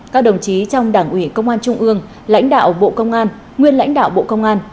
các đồng chí trong đảng ủy công an trung ương lãnh đạo bộ công an nguyên lãnh đạo bộ công an